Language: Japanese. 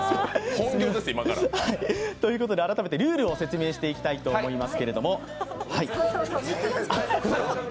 本業です、これは。ということで改めてルールを説明していきたいと思います。